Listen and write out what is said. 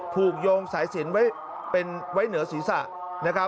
ถูกโยงสายศิลป์ไว้เหนือศีรษะ